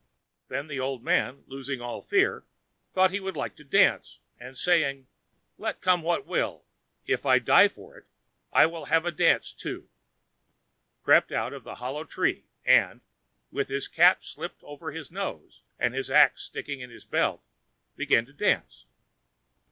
Then the old man, losing all fear, thought he would like to dance, and saying, "Let come what will, if I die for it, I will have a dance, too," crept out of the hollow tree and, with his cap slipped over his nose and his ax sticking in his belt, began to dance.